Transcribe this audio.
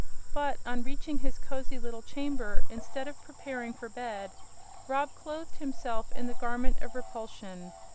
But, on reaching his cozy little chamber, instead of preparing for bed Rob clothed himself in the Garment of Repulsion.